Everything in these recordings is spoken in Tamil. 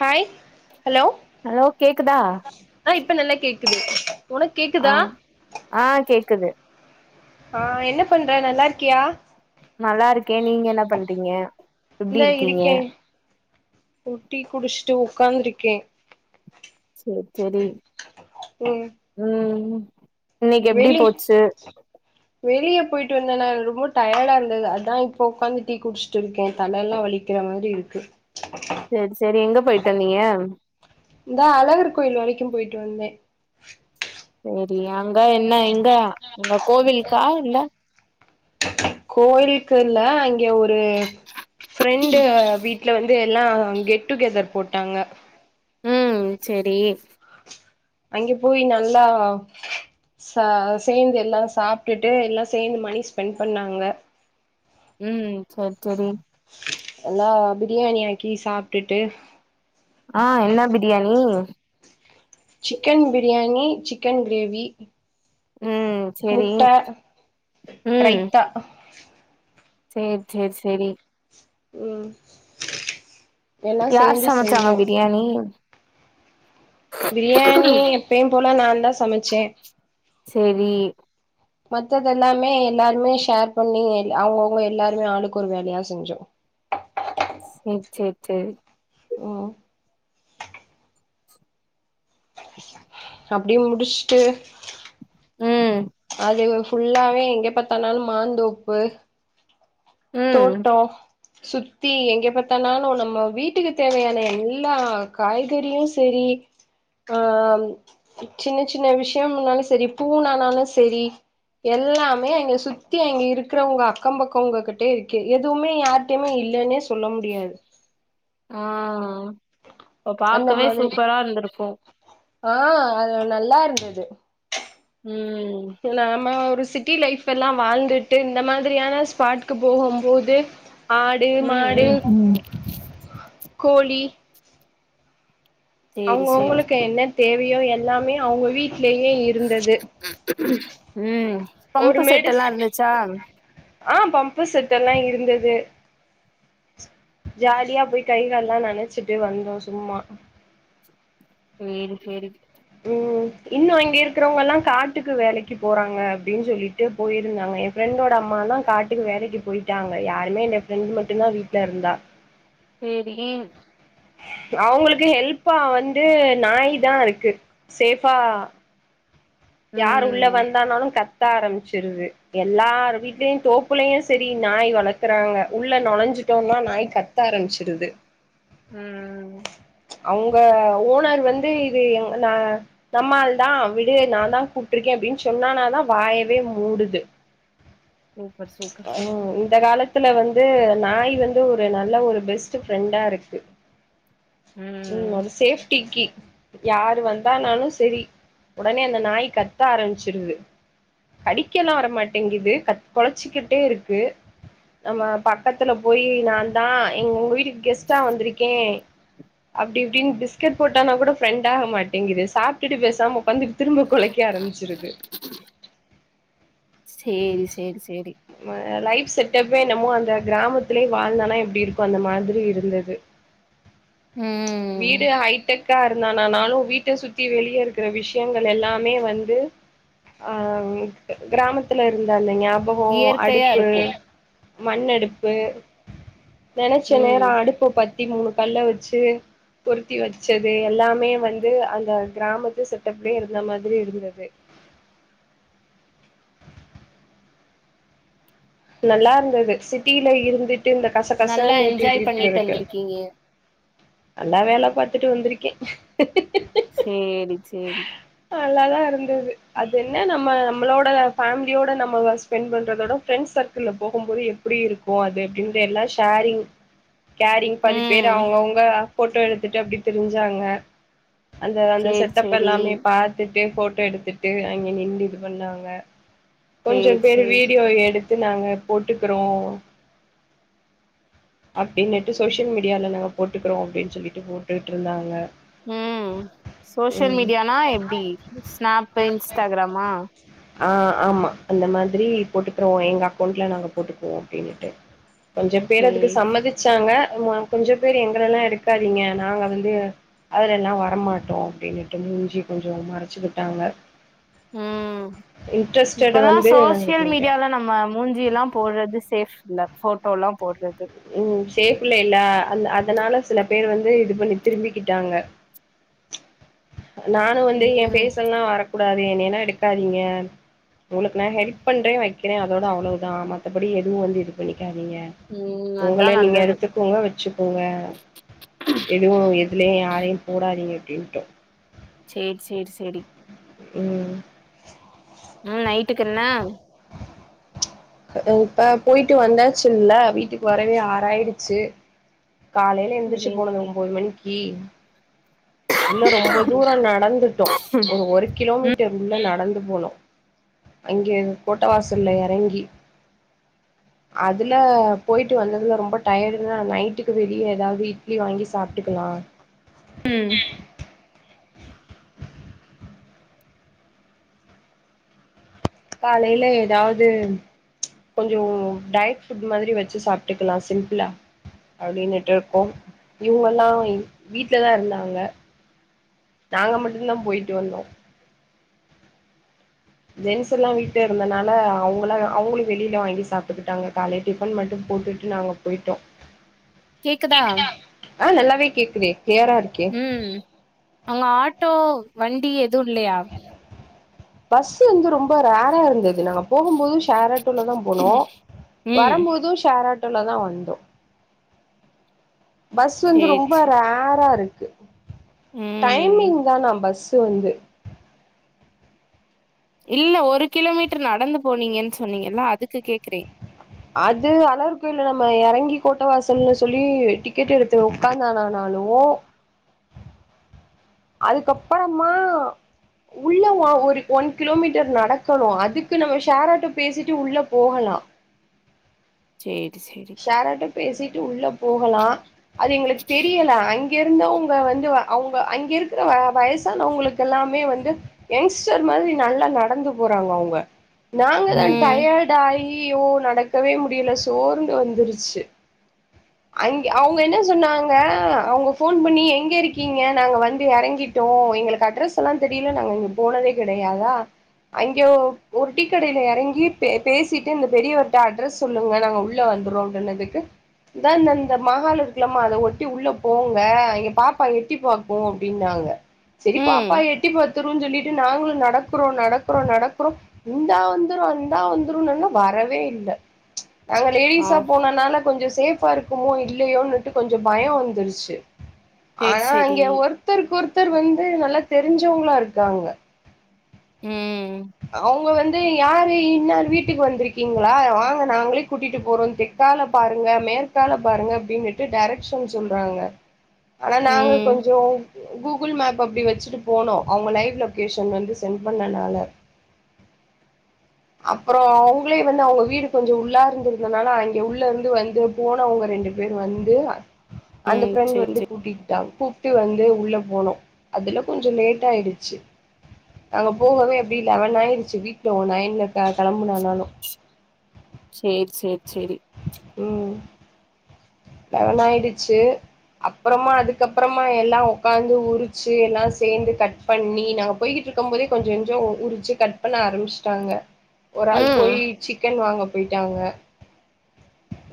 ஹாய் ஹலோ அலோ கேக்குதா ஆ இப்ப நல்லா கேக்குது உனக்கு ஆ கேக்குதா ஆ கேக்குது ஆ என்ன பண்ற நல்லா இருக்கியா நல்லா இருக் கே நீங்க என்ன பண்றீங்க எப்பிடி இந்தா இருக்கீங்க இருக்கே டீ குடிச்சுட்டு உக்காந்துருக்கே சேரி சேரி ம் உம் ம் இன்னைக்கி எப்டி வெளி போச்சு வெளிய போயிட்டு வந்தே நா ரொம்ப டயடா இருந்தது அதா இப்போ உக்காந்து டீ குடிச்சுட்டுருக்கே தலெல்லா வலிக்கிற மாரி இருக்கு சேரி சேரி எங்க போயிட்டு வந்தீங்க இந்தா அழகர்கோயில் வரைக்கு போயிட்டு வந்தே சேரி அங்க என்ன இங்க உங்க கோவிலுக்கா இல்ல கோயிலுக்கு இல்ல இங் க ஒரு ஃப்ரெண்டு வீட்ல வந் து எல்லா கெட் டு கெதர் போட்டாங்க உம் சேரி அங்கெ போய் நல்லா ச சேந்து எல்லாரு சாப்ட்டுட்டு எல்லா சேந்து மணி ஸ்பெண்ட் பண்ணாங்க உம் சேரி சேரி எல்லா‌ பிரியாணி ஆக்கி சாப்ட்டுட்டு ஆ என்ன biryani chicken biryani chicken gravy ம் சேரி முட்ட ரைத்தா சேர் சேர் சேரி உம் யார் சமச்சாங்க பிரியாணி பிரியாணி எப்பயும்போல நாந்தா சமச்சே சேரி மத்ததெல்லாமே எல்லார்மே ஷேர் பண்ணி எல் அவுங்கவுங்க எல்லாருமே ஆளுக்கொரு வேலயா செஞ்சோ சேர் சேர் சேரி ஓ அப்டே முடிச்ட்டு ம் அது இங்க ஃபுல்லாவே எங்க பாத்தானாலு மாந்தோப்பு ம் தோட்டோ சுத்தி எங்க பாத்தானாலு நம்ம வீட்டுக்கு தேவையான எல்லா காய்கறியு சேரி ஆ சின்ன சின்ன விஷ்யம்னாலு செரி பூனானாலு செரி எல்லாமே அங்க சுத்தி அங்க இருக்றவுங்க அக்கம் பக்கோங்க கிட் டே இருக்கு எதுவ்மே யார்ட்டயுமே இல்லேன்னே ஆ ப அந்த பாக்கவே மாதிரி சூப்பரா இருந்துரு க்கு ஆ அது நல்லாருந்துது ம் சேர் நாம ஒரு சிட்டி லைஃப்பெல்லா வாழ்ந்துட்டு இந்த மாதிரியான ஸ்பாட்க்கு போகும்போது ஆடு மாடு ம் ம் கோழி சேரி சேரி அவுங்கவுங்களுக்கு என்ன தே வ்யோ எல்லாமே அவங்க வீட் லயே இருந்தது ம் ஒரு பம்பு மெடிஸ் செட்டெல்லா இருந்துச்சா ஆ பம்பு செட்டெல்லா இருந்தது ஜாலியா போய் கை, கால்லா நனச்சிட்டு வந்தோ சும்மா சேரி சேரி உம் இன்னு இங்கிருக்கறவங்கெல்லா காட்டுக்கு வேலைக்கு போறாங்க அப்டின் சொல்லிட்டு போயிருந்தாங்க என் ஃப்ரெண்டோட காட்டுக்கு வேலைக்கு போய்ட்டாங்க யாருமே இல்ல எ ஃப்ரெண்டு் மட்டுந்தா வீட்ல இருந்தா சேரி அவங்களுக்கு ஹெல்ப்பா வந்து நாய் தா இருக்கு சேஃபா யார் உள்ள ம் வந்தானாலு கத் த ஆரம்பிச்சிருது எல்லார் வீட்லயு, தோப்புலயு செரி நாய் வளக்கறாங்க உள்ள நொழஞ்சுட்டோனா நாய் கத்த ஆரம்பிச்சிருது உம் அவங்க ஓனர் வந்து இது எங் ந நம்மாள் தா விடு நா தா கூப்ட்ருக்கே அப்டின் சொன்னானாதா வாயவே மூடுது சூப்பர் சூப்பர் ம் சூப்பர் இந்த காலத் துல வந்து நாய் வந்து ஒரு நல்ல ஒரு பெஸ்ட் ஃப்ரெண்டா இருக்கு ம் அது சேஃப் ட்டிக்கு யாரு வந்தானாலு செரி உடனே அந்த நாய் கத்த ஆரம்பிச்சிருது கடிக்க எல்லா வரமாட்டிங்குது கத் கொலச்சிக்கிட்டே இருக்கு நம்ம பக்கத்துல போய் நாந்தா எ உங்க வீட்டுக்கு கெஸ்ட்டா வந்திருக்கே அப்டி இப்டின்னு பிஸ்கெட் போட்டானா கூட ஃப்ரெண்ட் ஆக மாட்டேங்குது சாப்டிட்டு பேசாம உக்காந்து திரும்ப கொலைக்க ஆரம்பிச்சிருது சேரி சேரி செரி லைட் செட்டப்பே என்னமோ அந்த கிராமத்திலயே வாழ்ந்தனா எப்டி இருக்கு அந்த மாதிரி இருந்துது ம் வீடு ஹைடெக்கா இருந்தானானாலு வீட்ட சுத்தி வெளிய இருக்கற விஷயங்கள் எல்லாமே வந்து ஆ கிராமத்துல இருந்த அந்த ஞாபகத் கு இயற்கையா அடுப்பு இருக்கு மண்ணடுப்பு நெனைச்ச நேர ம் அடுப்ப பத் தி மூணு கல்ல வெச்சு பொருத்தி வெச்சது எல்லாமே வந்து அந்த கிராமத்து செட்டப்லயே இருந்த மாதிரி இருந்தது நல்லாருந்துது சிட்டியில இருந்து ட்டு இந்த கச கசனு நல்லா என்ஜாய் நீட்டிட்டு பண்ணிட்டு இருக்கறதுக்கு வந்திருக்கீங்க நல்லா வேல பாத்துட்டு வந்துருக்கே சேரி சேரி நல்லாதா இருந் துது அது என்ன நம்ம நம்மளோட ஃபேமிலியோட நம்ம ஸ்பெண்ட் பண்றதோட ஃப்ரெண்ஸ் சர்க்கிள்ல போகும் போது எப்பிடி இருக்கு அது எப்டின்றலா ஷேரிங் கேரிங் பாதி பேரு ம் அவங்கவுங்க ஃபோட்டோ எடுத்துட்டு அப்டி திரிஞ்சாங்க அந்த அந்த சேரி செட்டப் சேரி எல்லாமே பாத்து ஃபோட்டோ எடுத்துட்டு அங்க நின்னு இது பண்ணாங்க கொஞ்சம் சேரி பேரு சேரி வீடியோ எடுத் து நாங்க போட்டுக்கிறோ அப்படின்னுட்டு சோசியல் மீடியால நாங்க போட்டு க்றோ அப்டின்னு சொல்லிட்டு போட்டுட்டு இருந்தாங்க ம், சோசியல் ம். மீடியானா எப்டி ஸ்நாப், இன்ஸ்டாகிராமா ஆ, ஆமா அந்த மாதிரி போட்டுக்குறோ எங்க அக்கோண்ட்ல நாங்க போட்டுக்குவோ அப்டின்னுட்டு கொஞ்ச பேர் அதுக்கு சேரி சம்மதிச்சாங்க அது ம கொஞ்ச பேர் எங்களலா எடுக்காதீங்க நாங்க வந்து அதுலலா வரமாட்டோ அப்டின்னுட்டு முடிஞ்சிய கொஞ்சோ மறைச்சுக்கிட்டாங்க ம் ம், இன்ட்ரஸ்டட் இப்பல்லா வந்து சோசியல் மீடியால நம்ம மூஞ்சிலா போட்றது சேஃப் இல்ல போட்டோலா போட்ற ம் சேஃப் இல்லைல அந்த அ அதனால சில பேர் வந்து இது பண்ணி திரும்பிக்கிட்டாங்க நானு வந்து எ ம் பேஸ் எல்லா வரக்கூ டாது என்னைல எடுக்காதீங்க உங்ளுக்கு நா ஹெல் பண்றே வைக்கிறே அதோட அவ்ளவுதா மத்தபடி எதுவு வந்து இது பண்ணிக் காதீங்க, ம் அதா உங்கள நீங்க நல்லது எடுத்துக்கோங்க வச்சுக்கோங்க எதுவு எதுலயு யாரையு போடாதீங்க அப்டின்ட்டோ சேரி சேரி சேரி ம் ஆ நைட்டுக்கென்ன இப்ப போயிட்டு வந்தாச்சுங்ளா வீட்டுக்கு வரவே ஆறாயிடுச்சு காலையில எந்திரிச்சு சரி போன ஒம்போது மணிக்கு கி உள்ள ரொம்ப தூரோ நடந்துட்டோ ஒ ஒரு கிலோமீட்டர் உள்ள நடந் து போனோ அங்கே கோட்டவாசல்ல எறங்கி அதுல போயிட்டு வந்ததுல ரொம்ப டயர்டு நைட்டுக்கு வெளிய ஏதாவது இட்லி வாங்கி சாப்டுக்கலா ம் காலைல ஏதாவது கொஞ்சொ டயட் ஃபுட் மாதிரி வெச்சு சாப்டுக்கலா சிம்பிளா அப்படின்னுட்டு இருக்கோ இவங்க எல்லா வீட்லதா இருந்தாங்க நாங்க மட்டுந்தா போயிட்டு வந்தோ ஜென்ஸ் எல்லா வீட்ல இருந்தனால அவங்களா அவங்களு வெளியில வாங்கி சாப்டுக்கிட்டாங்க காலை டிஃபன் மட்டு போட்டுட்டு நாங்க போய்ட்டோ கேக்குதா ஆ நல்லாவே கேக்குதே கிளியரா இருக்கே ம் அங்க ஆட் ட்டோ வண்டி எதுவு இல்லையா பஸ் வந்து ரொம்ப ரேரா இருந்தது நாங்க போகும் போது ஷேர் ஆட்டோலதா போனோ ம் வரம்போது ஷேர் ஆட் டோலதா வந்தோ பஸ் வந்து சேரி ரொம்ப சேரி ரேரா இருக் ம் டைமிங்தானா பஸ் த்து வந்து இல்ல ஒரு கிலோமீட்டர் நடந்து போனீங்கன்னு சொன்னீங்கல்ல அதுக்கு கேக்குறே அது அழகர் கோயில்ல நம்ம எறங்கி கோட்டை வாசல்னு சொல்லி டிக்கெட் எடுத்து உக்காந்தானானாலு அதுக்கப்பறமா உள்ள ஒ ஒரு ஒன் கிலோமீட்டர் நடக்கணு அதுக்கு நம்ம ஷேர்ஆட்டோ பேசிட்டு உள்ள போகலா சேரி சேரி ஷேர் ஆட்டோ பேசிட்டு உள்ள போகலா அது எங்களுக்கு தெரியல அங் க இருந்தவங்க வந்து அவங்க அங்க இருக்கிற வயசானவங்களுக்கு எல்லாமே வந்து யங்ஸ்டர் மாதிரி நல்லா நடந்து போறாங்க அவங்க நாங்கதா ம் டயர்ட் ஆகி யு நடக்கவே முடியல சோர்ந் ந்து வந்துருச்சு அங்க அவங்க சொன்னாங்க அவங்க ஃபோன் பண்ணி எங்க இருக்கீங்க நாங்க வந்து எறங்கிட்டோ எங்களுக்கு அட்ரஸ் எல்லா தெரில நாங்க அங்க போனதே கிடையாதுதா அங்க ஒரு டீ கடைல ஏறங்கி பே பேசிட்டு அந்த பெரியவர்ட்ட அட்ரஸ் சொல்லுங்க நாங்க உள் உள்ள வந்துரு அப்படனதுக்கு தான்ந்த ந்த மஹால் இருக்குலாமா அத ஒட்டி உள்ள போங்க இங்க பாப்பா எட்டி பாக்கு அப்படின்னாங்க ம் சரிப்பாப்பா எட்டி பத்துருன்னு சொல்லிட்டு நாங்களு நடக்கிறோ நடக்கறோ நடக்கிறோ இந்தா வந்துரு அந்தா வந்துருன்னாங்க வரவே இல்ல நாங்க ஆ லேடிஸா போனதுனால கொஞ்சு சேஃப் ஃபா இருக்குமோ இல்லையோன்னுட்டு கொஞ்சு பயோ வந்துருச்சு சேரி ஆனா சேரி அங்க ஒருத்தருக்கு ஒருத்தர் த்தர் வந்து நல்லா தெரிஞ்சவங்களா இருக்காங்க ம் அவங்க வந்து யாரு இன்னரு வீட்டுக்கு வந்திருக்கீங்களா வாங்க நாங்களே கூட்டிட்டு போறோ தெற்கால பாருங்க மேற்கால பாருங்க அப்படின்னுட்டு டேரக்க்ஷன் சொல்றாங்க ஆனா நாங்க ம் கொஞ்சு [unintelligible] கூகுள் மேப் அப்படி வச்சுட்டு போனோ அவங்க லைவ் லொகேஷன் வந்து சென் பண்ணனால அப்புறோ அவங்களே வந்து அவங்க வீடு கொஞ்சு உள்ளா இருந்திருந்தனால அங்க உள்ள இருந்து வந்து போனவங்க ரெண்டு பேரு வந்து அந்த ம் ப்ரெண்ட் சேரி வந்து கூட்டிட்டாங்க கூப்பிட்டு வந்து உள்ள போனோ அதுல கொஞ்சு லேட் ஆயிடுச்சு நாங்க போகவே அப்படி லெவன் ஆயிடுச்சு வீட்டுல ஒ நயன்ல கிளம்புனானாலு சேரி சேரி சேரி உம் லெவன் ஆயிடிச்சு அப்புறமா அதுக்கப்புறமா எல்லா உக்காந்து உரிச்சு எல்லா சேந்து கட் பண்ணி நாங்க போய்கிட்டு இருக்கும் போதே கொஞ்சு கொஞ்சு உரிச்சு கட் பண்ண ஆரம்பிச்சுட்டாங்க ஒரு ஆள் ம் போய் சிக்கன் வாங்க போயிட்டாங்க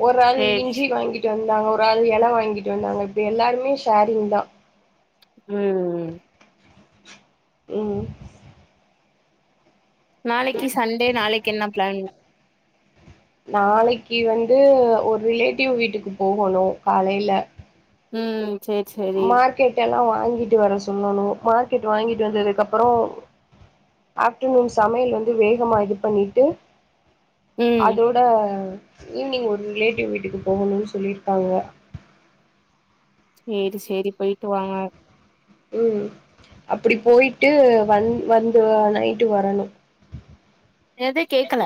ஒரு ஆள் சேரி இஞ்சி சே வாங்கிட்டு இருந்தாங்க ஒரு ஆது இலை வாங்கிட்டு வந்தாங்க இப்ப எல்லாருமே ஷேரிங் தா உம் ம் உம் நாளைக்கு சண்டே நாளைக்கு என்ன பிளான் நாளைக்கு வந்து ஒரு ரிலேட்டிவ் வீட்டுக்கு போகணும் காலையில உம் மார்க்கெட் எல்லாம் வா வாங்கிட்டு வர சொல்லணும் மார்க்கெட் வாங்கிட்டு வந்ததுக்கு அப்புறம் ஆஃப்டர்நூன் சமையல் வந்து வேகமா இது பண்ணிட்டு ம் அதோட ஈவினிங் ஒரு ரிலேட்டிவ் வீட்டுக்கு போகணும்னு சொல்லிருக்காங்க சேரி சேரி போயிட்டு வாங்க உஹம் அப்படி போயிட்டு வந் வந்து நைட்டு வரணும் ஏத கேக்கல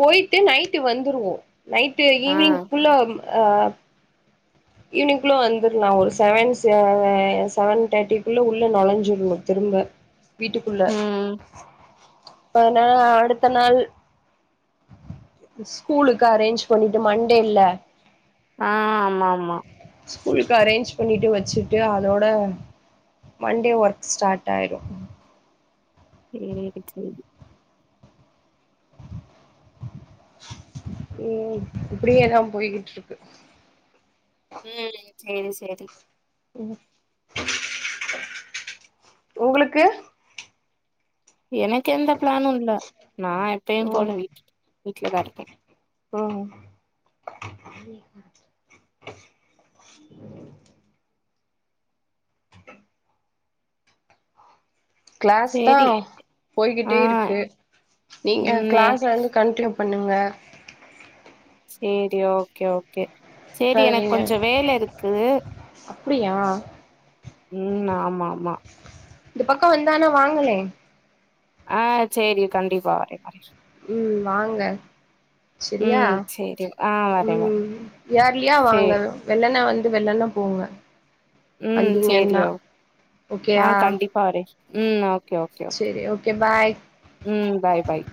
போயிட்டு நைட்டு வந்துருவோம் நைட்டு ஆ ஈவினிங் ஃபுல்லோ அ ஈவினிங்குள்ள வந்துருலாம் ஒரு செவன் செவன் தேர்ட்டிக்குள்ள உள்ள நுழைஞ்சிறுணும் திரும்ப வீட்டுக்குள்ள ம் நா அடுத்த நாள் ஸ்கூலுக்கு அரேஞ்ச் பண்ணிட்டு மண்டே இல்ல ஆஹ் ஆமா ஆமா ஸ்கூலுக்கு அரேஞ்ச் பண்ணிவிட்டு வச்சுட்டு அதோட மண்டே ஒர்க் ஸ்டார்ட் ஆயிரும் சேரி சேரி ம் இப்படியேதான் போய்கிட்டு இருக்கு உம் செரி செரி உ உங்களுக்கு எனக்கு எந்த பிளானும் இல்ல நா எப்பயும் போல வீட் வீட்டுலதான் இருக்கேன் ஹம் கிளாஸ் சேரி தான் போய்கிட்டே ஆ இருக்கு நீங்க ம் கிளாஸ்ல இருந்து கண்டினியூ பண்ணுங்க சேரி ஓகே ஓகே சேரி எனக்கு ட்ரைவிங்க கொஞ்ச வேல இருக்கு அப்டியா ம் ஆமாம் ன இது பக்கம் வந்தானா வாங்கலே ஆஹ் சரி கண்டிப்பா வரே வர ம் வாங்க செரியா ம் சேரி ஆ வரே வரே ம் ஏர்லியா வாங்க சேரி வெள்ளன வந் து வெள்ளன போங்க ம் சேரி வந்தீங்கன்னா ஓ ஆ ஓகேயா கண்டிப்பா வரே ம் ஓகே ஓகே ஓகே செரி பாய் ம் பாய் பாய்